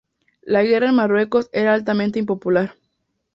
La guerra en Marruecos era altamente impopular.